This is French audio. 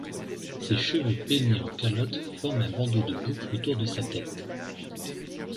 Ses cheveux peignés en calotte forment un bandeau de boucles autour de sa tête.